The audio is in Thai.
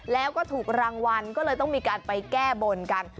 แล้วก็ถูกรางวัลก็เลยต้องมีการไปแก้บนกัน